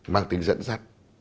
mang tính dẫn dắt